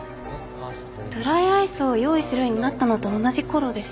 ドライアイスを用意するようになったのと同じ頃です。